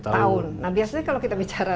tahun nah biasanya kalau kita bicara